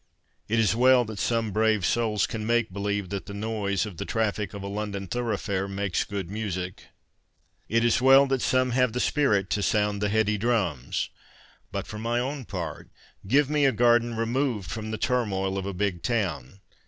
It is well that some brave souls can make believe that the noise of the traffic of a London thoroughfare makes good music ! It is well that some have the spirit to sound the ' heady drums.' But for my own part, give me a garden removed from the turmoil of a big town.